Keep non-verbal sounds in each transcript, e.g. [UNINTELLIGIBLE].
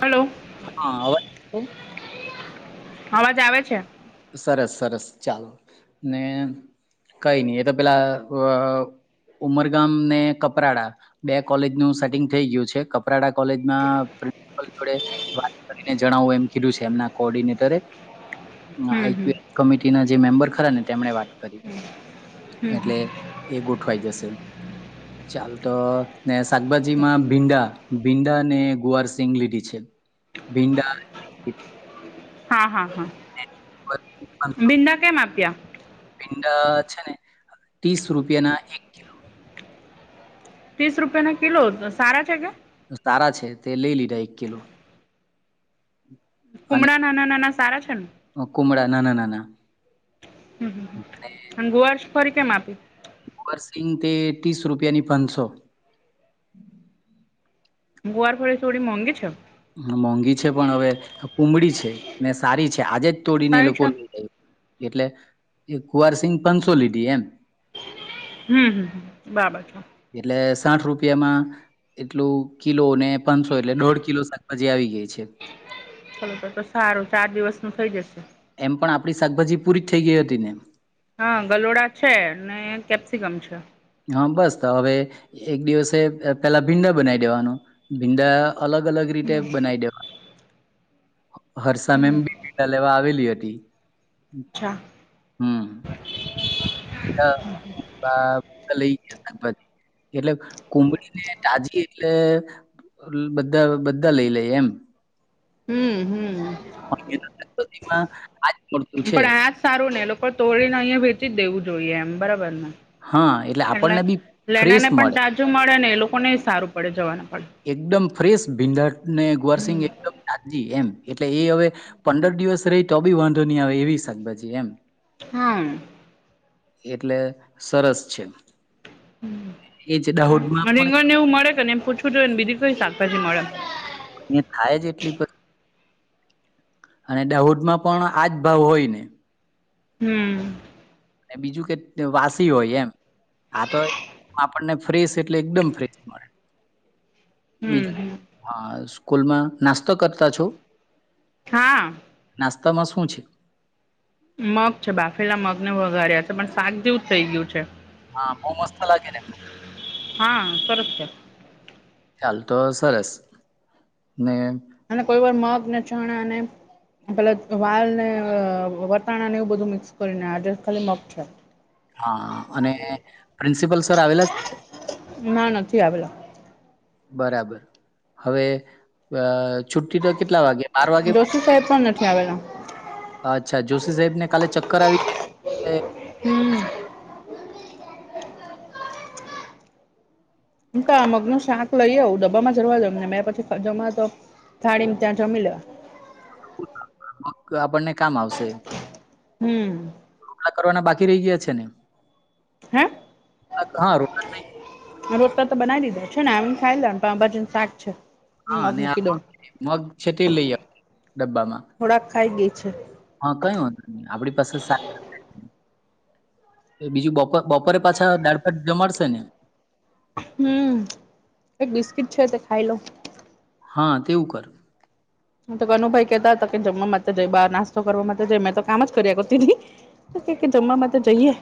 Hello. હા, અવાજ છે? અવાજ આવે છે. સરસ, સરસ ચાલો. ને કંઈ ની, એ તો પેલા અ ઉમરગામ ને કપરાડા. બે કોલેજનું સેટિંગ થેઈ ગ્યું છે. કપરાડા કોલેજમાં પ્રિન્સિપલ જોડે વાત કરીને જણાવું, એમ કીધું છે એમના કો ઓર્ડિનેટરે. હમ આઇપીએલ હમ કમિટીના જે મેમ્બર ખરા ને, તેમણે વાત કરી. એટલે એ ગોઠવાઈ જસે. હ ચાલ તો. ને શાકભાજી માં ભીંડા, ભીંડા ને ગુવારસિંગ લીધી છે. ભીંડા હા, હા, હા. ભીંડા કેમ આપ્યા? ભીંડા છે ને, તીસ રૂપિયાના એક કિલો તીસ રૂપિયાના કિલો! તો સારા છે કે? સારા છે. તે લેઈ લીધા એક કિલો. કુમળા, નાના નાના સારા છે ને? અં કુમળા, નાના-નાના. હમ અન ગુવાર્ષફળી કેમ આપી? ગુવારસિંગ, તે તીસ રૂપિયાની પાંનસો. ગુવારફળી થોડી મોંઘી છે. મોંઘી છે, પણ હવે, કુમળી છે, ને સારી છે. આજે જ તોડીને એ સારી લોકો છે એટલે એ ગુવારસિંંગ પાંનસો લીધી, એમ. હમ્મ હમ્મ હમ્મ, બાબર છે. એટલે સાઠ રૂપિયામાં એટલું કિલોને, પાનસો એટલે દોઢ કિલો શા કભાજી આવી ગેઈ છે. ચલો તો તો સારું. ચાર દિવસ નું થઇ જશે. એમ પણ આપણી શાકભાજી પૂરી જ થઈ ગઈ હતી ને? હા ગલોડા છે, ને કેપ્સિકમ છે. હા બસ તો હવે એક દિવસે અ પેલા ભીંડા બનાવી દેવાનું ભીંડા અલગ અલગ રીતે બનાવી દેવાનું. હર્ષા હમ મેમ બીલા લેવા આવેલી હતી. અચ્છા હમ. બાપ લઈ ગયો સાકભાજી એટલે કુંબળી ને તાજી એટલે બધા બધા લઈ લઈએ એમ. હમ હમ. પતિમાં આજ મળતું છે. પણ આ જ સારું ને એ લોકો તોડીને અહિયાયા વેચી જ દેવું જોઈએ એમ બરાબર ને હા એટલે આપણને બી લેના ફ્રેશ ને પણ મળે તાજું મળે ને એ લોકોને સારું પડે જવાનું પડે. એકદમ ફ્રેશ ભીંડાને હમ ગુરસિંગ એકદમ નાજી એમ એટલે એ હવે... પંદર દિવસ રહી તો બી વાંધો નહી આવે એવી શાકભાજી એમ. હમ. એટલે સરસ છે. એ જ દાહોદમાં પણ રીંગણ ને એવું મળે કે ને એમ પૂછવું હતય ને બીધું કોઈ શાકભાજી મળે. અ થાય જ એટલી અને દાહદ માં પણ આજ ભાવ હોય ને હમ. અને બીજું કે વાસી હોય એમ. આા તો આપણને ફ્રેશ એટલે એકદમ ફ્રેશ મળે, હમ બીજું હમ હા સ્કૂલમાં નાસ્તો કરતા છો? હા... નાસ્તામાં શું છે? મગ છે બાફેલા મગ ને વઘાર્યા છે, પણ શાક જેવું જ થઇ ગયું છે. હા બહુ મસ્ત લાગે ને! હા સર છ. ચ્યાાલ તો સરસ ને અને કોઈ વાર મગને જાણે અને પેલા વાલ ને વટાણાને એવું બધું મિક્સ કરીને આડેસ ખાલી મગ છે. હા અને પ્રિન્સિપલ સર આવેલા છે. ના નથી આવેલા. બરાબર હવે છુટ્ટી તો કેટલા વાગ્યા ડોસી તો એ પણ નથી આવેલા. અચ્છા જોશી સાહેબ ને કાલે ચક્કર આવી ગયા. હમ મ તો આ મગનું શાક લઈ આવું ડબ્બામાં જરવા દ ને મેં પછી જમા તો. થાળીમાં ત્યાં છ મિ્યો આપણને કામ આવશે હમ મામલા કરવાના બાકી રહી ગયા છે. ને હે, હા રોટલા રોટતા તો બનાવી દીધા છે. ને એને ખાઈ લ પણ ભાજન શાક છે. હા મગ આ મૂકી દઉં મગ છે. તે લઈ ડબ્બામાં થોડાક ખાઈ ગઈ છે. હા કઈ વાંધ નહી આપણી પાસે બીજું બપ બપોરે પાછા દાળભાત જમાડશે ને હમ એક બિસ્કીટ છે તે ખાઈ લો હા તેવું કર તો કનુ ભાઈ કેતા હતા કે જમવા માટે જ બાર નાસ્તો કરવા માટે જ મેં તો કામ જ કરી કરતી કે જમવા માટે તો જઈએ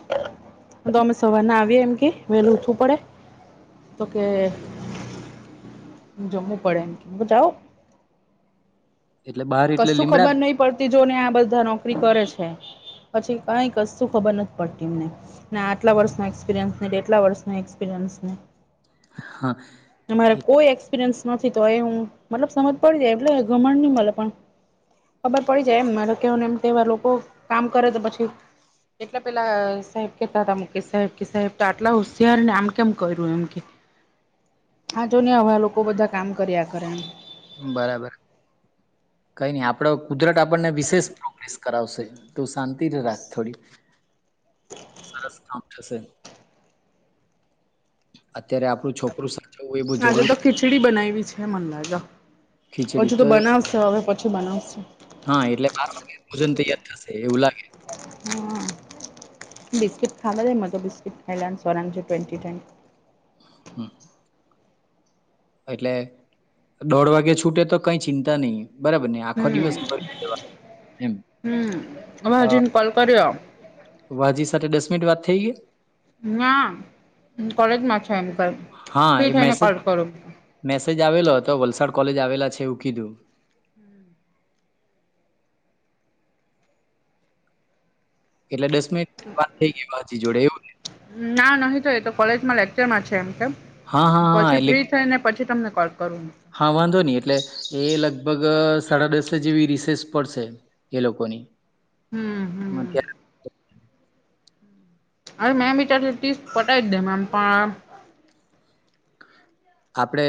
તો અમે સવાર નાં આવીએ એમ કે વેલું ઉઠવું પડે તો કે જમ્મુવુ પડે બધા ઓ એટલે બહાર એટલે કશું લીમડા ખબર નહીં પડતી જોને આ બધાં નોકરી કરે છે. પછી કંઈક કસ્સું ખબર નથી પડતી એમને ના આટલાં વર્ષનો એક્સપિરયન્સ એટલાં વર્ષનો એક્સપિરિયન્સ હા મારે એ કોઈ એક્સપિરિયન્સ નથી તોય એ હું મતલબ સમજ પડી જાય એટલે ગમણ નહીં મળે પણ ખબર પડી જાય એમ મારે કેવા નો એમ ક‌ઈવાર લોકો કામ કરે તો પછી એટલે પેલાં સાહેબ કેતા હતા મુકેશ સાહેબ કે સાહેબ તો આટલાં હોંશિયાર ને આમ કેમ કર્યું એમ કે આ જો ને હવે લોકો બધાં કામ કર્યાં કરે એમ બરાબર કઈ નહીં આપડે કુદરત આપણને વિશેષ પ્રોગ્રેસ કરાવશે તું શાંતિ જો રાખ થોડી સરસ કામ થશે અત્યારે આપણું છોકરું સરસ આજે તો ખીચડી બનાવી છે મને લાગે હજુ તો બનાવશે હવે પછી બનાવશે હા એટલે બાર વાગ્યે ભોજન તૈયાર થશે એવું લાગે હ બિસ્કીટ ખાવાં દે મને તો બિસ્કીટ ખાઈલેવાન સોરા જેમ ટ્વેન્ટી ટ્વેન્ટી હા એટલે દોડ વાગે છૂટે તો કઈ ચિંતા નહીં બરાબર ને આખો હમ દિવસ ભરી દેવાનુ એમ હમ અમે અ હજીને કોલ કર્યો વાજી સાથે દસ મિનિટ વાત થઈ ગઈ ના કોલેજમાં છે એમ કે હાં ફ્રી એ થઈને મેસેજ કોલ કરું મેસેજ આવેલો હતો વલસાડ કોલેજ આવેલાં છે એવું કીધું એટલે દસ મિનિટ વાત થઈ ગઈ વાજી જોડે એવું ને ના નહીં થ‌ઈ એ તો કોલેજમાં લેક્ચરમાં છે એમ કે હા, હા, હા, પછી એટલે ફ્રી થ‌ઈને પછી તમને કોલ કરું હા વાંધો નહીં એટલે એ લગભગ સાડા દસ જેવી રિસેસ પડશે એ લોકોની હમ હમ અત્યાર અરે મે એમ વિચારતી હતી પટાવી જ દે એમ પણ આપડે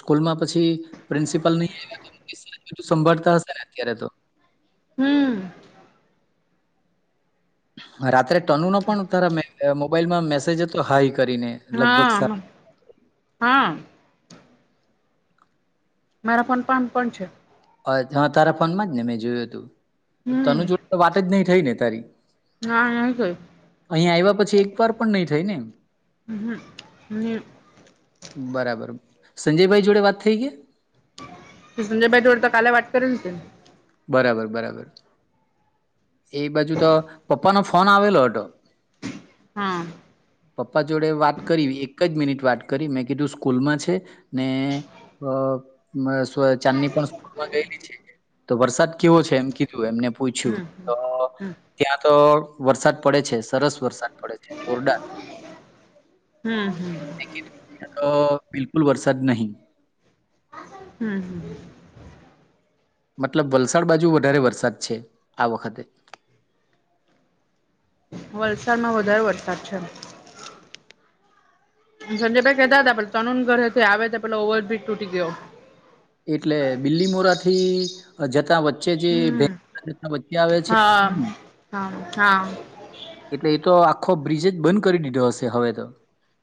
સ્કૂલમાં પછી પ્રિન્સિપલ ને એ રિતે મુકેશ સાહેબ ને સંભાળતા હશે ને અત્યારે તો હમ રાત્રે તનુ નો પણ તારાં મોબાઈલ માં મેસેજ હતો હાઈ કરીને લગભગ હા સા મારામાં મેસેજ હતો મારા ફોન માં પણ છે. હા તારા ફોનમાં જ ને મેં જોયું હતું ને તનું જોડ હમ તો વાત જ નહીં થઈ ને તારી હા નહીં થ‌ઈ અહીંયા આવ્યાં પછી એક વાર પણ નહીં થ‌ઈ ને [UNINTELLIGIBLE] બરાબર સંજયભાઈ જોડે વાત થઈ ગઈ સંજય ભાઈ જોડે તો કાલે વાત કરેલી છે બરાબર બરાબર એ બાજું તો પપ્પા નો ફોન આવેલો હતો. હા પપ્પા જોડે વાત કરી એક જ મિનિટ વાત કરી મે કીધું સ્કૂલમાં છે ને તો [UNINTELLIGIBLE] ચાંદની પણ સ્કૂલમાં ગયેલી છે તો વરસાદ કેવો છે એમ કીધું એમને હમ પૂછ્યું હ હમ ત્યાં તો વરસાદ પડે છે સરસ વરસાદ પડે છે જોરદાર હમ હમ મે કિધુ ત્યાં તો બિલકુલ વરસાદ નહીં હમ્મ મતલબ વલસાડ બાજુ વધારે વરસાદ છે આ વખત. વલસાડમાં વધારે વરસાદ છે. સંજયભાઈ કહેતા હતા કે તનુન ઘર હેથી આવે તો પેલો ઓવરબ્રિજ તૂટી ગયો. એટલે બિલીમોરાથી જતાં વચ્ચે જે હમ [UNINTELLIGIBLE] વચ્ચે આવે છે હા હા હા એટલે એ તો આખો બ્રિજ જ બંધ કરી દીધો હશે હવે તો.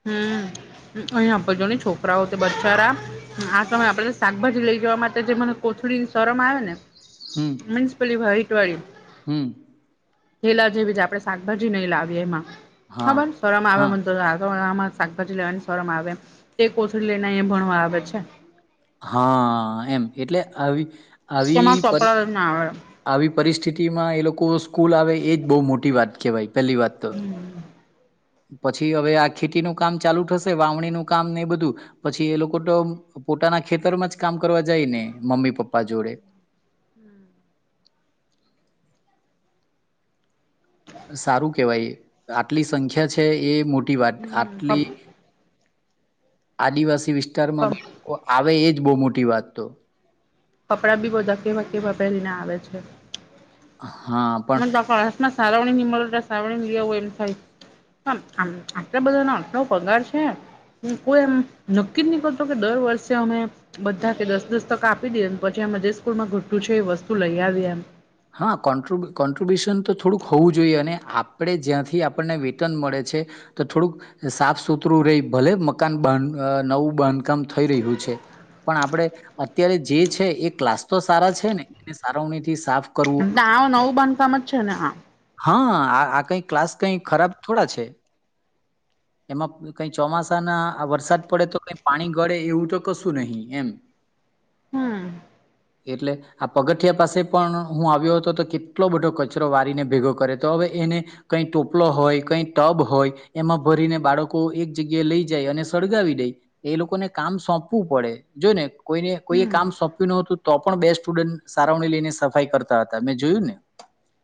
હમ્મ અહીંયા તો જોની છોકરાઓ બચારા આ સમયે આપણે શાકભાજી લઈ જવા માટે જે મને કોથળીની શરમ આવે ને હમ્મ. મિન્સ પેલી વાઈટ વાળી હમ્મ. થેલા જેવી જ આપણે શાકભાજી નહીં લાવીએ, એમાં હા ખબર શરમ આવે હા મને તો [UNINTELLIGIBLE] શાકભાજી લેવાની શરમ આવે, એ કોથળી લઈને એ ભણવા આવે છે. હા, એમ એટલે આવી તેમાં આવી કપડા જ ના આવે આવી પરિસ્થિતિમાં એ લોકો સ્કૂલ આવે એ જ બહુ મોટી વાત છે કેવાઈ, પહેલી વાત તો. હમ્મ પછી હવે આ ખેતીનું કામ ચાલુ થશે, વાવણીનું કામ ને એ બધું, પછી એ લોકો તો પોતાના ખેતરમાં જ કામ કરવા જાય ને, મમ્મી-પપ્પા જોડે. સારું કહેવાય, આટલી સંખ્યા છે એ મોટી વાત આટલી આદિવાસી વિસ્તારમાં બી બાળકો આવે એ જ બહુ મોટી વાત તો. કપડાં બી બધા કેવા કેવા પહેરીને આવે છે. હા. પણ મને [UNINTELLIGIBLE] માં સારવણીની મલે તો સારવણી લિયાવુ એમ થાય. [UNINTELLIGIBLE] કોઈ એમ નક્કી જ નહીં કરતો કે દર વર્ષે અમે બધા કે દસ-દસ ટકા આપી દઈએ, પછી અમે જે સ્કૂલમાં ઘટતું છે એ વસ્તુ લઈ આવીએ એમ. હા, કોન્ટ્રિબ્યુશન તો થોડુંક હોવું જોઈએ અને આપણે જ્યાંથી આપણને વેતન મળે છે તો થોડુંક સાફ-સુથરું રેય ભલે મકાન બાંધ નવું બાંધકામ થઈ રહ્યું છે. પણ આપણે અત્યારે જે છે એ ક્લાસ તો સારા છે ને, એને સારવાણી થી સાફ કરવું [UNINTELLIGIBLE] નવું બાંધકામ જ છે ને આ હા, આ કઈ ક્લાસ કંઈ ખરાબ થોડા છે એમાં કઈ ચોમાસાના વરસાદ પડે તો કાંઈ પાણી ગળે એવું તો કશું નહીં એમ. હમ્મ એટલે આ પગથિયા પાસે પણ હું આવ્યો હતો તો કેટલો બધો કચરો વાળીને ભેગો કરે તો હવે એને. કઈ ટોપલો હોય, કઈ ટબ હોય, એમાં ભરીને બાળકો એક જગ્યાએ લઈ જાય અને સળગાવી દે. એ લોકોને કામ સોંપવું પડે, જોને કોઈને કોઈએ હમ કામ સોંપ્યું ન હતું, તો પણ બે સ્ટુડન્ટ સાવરણી લઈને સફાઈ કરતા હતા, મેં જોયું ને.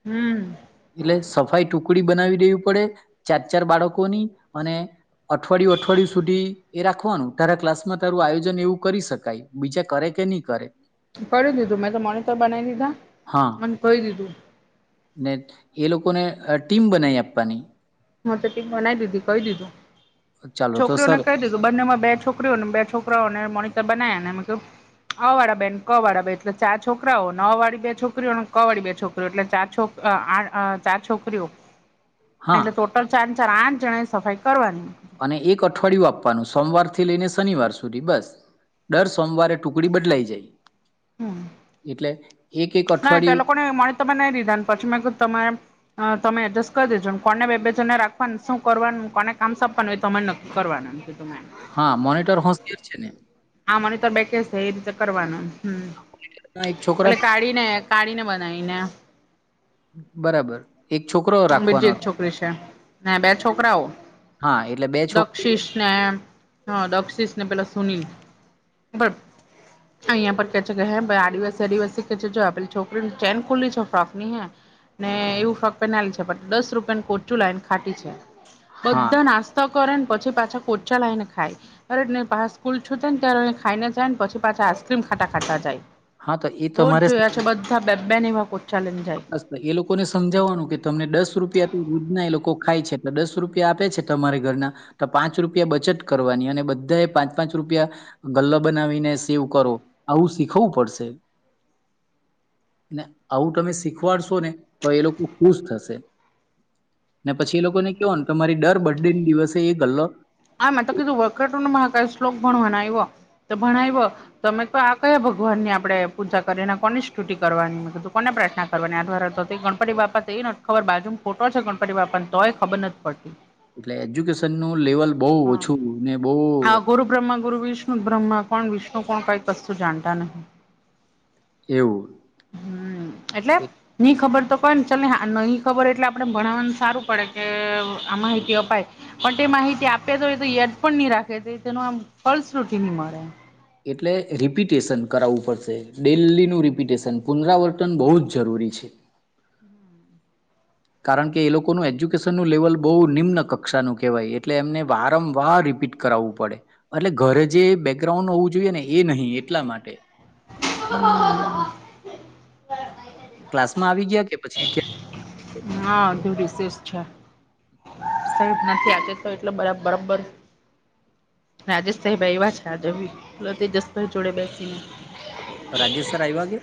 હમ્મ એટલે સફાઈ ટુકડી બનાવી દેવી પડે, ચાર-ચાર બાળકોની અને અઠવાડિયું અઠવાડિયું સુધી એ રાખવાનું, તારા ક્લાસમાં તારું આયોજન એવું કરી શકાય. બીજા કરે કે ની કરે. કરી દીધું મેં તો મોનિટર બનાવી દીધા, હા અને કહી દીધું. ને એ લોકોને અ ટીમ બનાઈ આપવાની. મો તો ટીમ બનાવી દીધી, કહી દીધું. ચાલો તો છોકરીઓને સર કહી દીધું, બંનેમાં બે છોકરીઓ ને બે છોકરાઓને મોનિટર બનાવ્યા ને મે અ વાળા બે ન, ક વાળા બે, એટલે ચાર છોકરાઓ, ને અ વાળી બે છોકરીઓ, ને ક વાળી બે છોકરીઓ, એટલે ચાર છોક આ, અ ચાર છોકરીઓ. હા એટલે ટોટલ ચાર ને ચાર, આઠ જણાએ સફાઈ કરવાની. અને એક અઠવાડિયું આપવાનું સોમવાર થી લઈને શનિવાર સુધી બસ. દર સોમવારે ટુકડી બદલાઈ જાય, હમ એટલે એક એક ના તે અઠવાડિયું લોકો ને મોનીટર બનાવી દીધા, ને પછી મે કીધું તમારે હા, તમે એડજસ્ટ કરી દેજો, ને કોને બે બે જન ને રાખવાનું શું કરવાનું કોને કામ સોપવાનું એ તમે નક્કી કરવાનું એટલે તમે હા, મોનિટર હોશિયાર છે ને હા, મને તો [UNINTELLIGIBLE] છે એ રીતે કરવાનું. એક છોકરાનની ને કાઢીને બનાવી ને બરાબર એક છોકરો બીજી રાખવાનો એક છોકરી છે, ને બે છોકરાઓ હતો હા એટલે બે છોકરી દક્ષેશ ને દક્ષીસને પેલા સુનીલ બસ અહીંયા પર કેચે કેહે બાઈ આ દિવાસે કેે છોકરીની ચેન કુલી છે ફ્રોક ની ને એવું ફ્રોક પહેરી ને આલી છે, પણ દસ રૂપિયાનુ કોચું લાઈ ને ખાતી છે, હા બધા નાસ્ત તો કરે ને પછી પાછા પોચા લાવીને ખાય અરે ને પાહ સ્કૂલ છૂટે ત્યારે ખાઈને જાય પછી પાછા આઈસક્રીમ ખાતા ખાતા જાય હા તો એ રોજ તમારે જોયા છે બધા બે બેની એ વા કોચા લઈ ને જાય બસ તો એ લોકોને સમજાવવાનું કે તમને દસ રૂપિયાથી રોજના એ લોકો કો ખાય છે, એટલે દસ રૂપિયા આપે છે તમારે ઘરના તો પાંચ રૂપિયા બચત કરવાની, અને બધાએ પાંચ પાંચ રૂપિયા ગલ્લો બનાવીને સેવ કરો, આવું શીખવું પડશે. [INAUDIBLE] ને આવું તમે શીખવાડશો ને તો એ લોકો ખુશ થશે ને પછી એ લોકો ને કેહવાનુ, કે તમારી દર બર્થ ડે દિવસે એ ગલ્લો હા, મેં તો કીધું [UNINTELLIGIBLE] ભણવાના આવ્યો, તો ભણાવ્યો. તો મે કવ આ કયા ભગવાન ની આપણેે પૂજા કરીએ ને કોની સ્તુતિ કરવાની? મે કીધું કોને પ્રાર્થના કરવાની આ તો ગણપતિ બાપા તેઇ નથ ખબર બાજુ મ ફોટો છે ગણપતિ બાપા નો, તોય ખબર નથ પડતી એટલે એજ્યુકેશન નું લેવલ બહુ હા. ઓછું ને બહ આ ગુરુ બ્રહ્મા ગુરુ વિષ્ણુ બ્રહ્મ કોણ? વિષ્ણુ કોણ? કઈ કશુ જાણતા નહી. એવું હમ્મ, એટલે એટ ની ખબર તો પણ ચલ ને હા ની નહી ખબર એટલે આપણે ભણાવવાનું સારું પડે કે આ માહિતી અપાય પણ તે માહિતી આપે તો હોય તો યદ પણ નહી રાખે છે, તેનું આમ ફલ સુધી નહી મળે. એટલે રિપિટેશન કરાવવું પડશે, ડેલીનું રિપિટેશન પુનરાવર્તન બહુ જ જરૂરી છે. કારણ કે એ લોકોનું એજ્યુકેશન નું લેવલ બહુ નિમ્ન કક્ષાનું કહેવાય એટલે એમને વારંવાર રિપીટ કરાવવું પડે, એટલે ઘરે જે બેકગ્રાઉન્ડ હોવું જોઈએ ને એ નહી એટલા માટે. [INAUDIBLE] ક્લાસ માં આવી ગયા કે પછી ક્યાં? હા હજુ રિશેષ છે. સાહેબ નથી આજે તો એટલે બરા બરાબર રાજેશ સાાહેબ આઈવા છે આજે બી, પેલો તેજસભાઈ જોડે બેસીને. રાજેશ સર આયવા કે?